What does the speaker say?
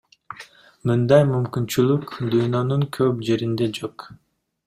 Мындай мүмкүнчүлүк дүйнөнүн көп жеринде жок.